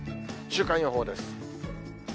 週間予報です。